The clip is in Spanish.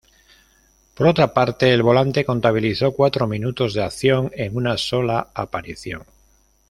Por otra parte, el volante contabilizó cuatro minutos de acción en una sola aparición.